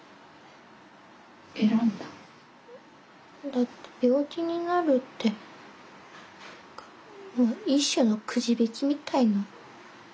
選んだ？だって病気になるって一種のくじびきみたいな。